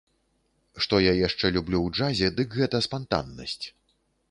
Што я яшчэ люблю ў джазе, дык гэта спантаннасць.